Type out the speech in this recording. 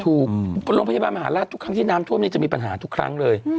โรงพยาบาลมหาราชทุกครั้งที่น้ำท่วมนี้จะมีปัญหาทุกครั้งเลย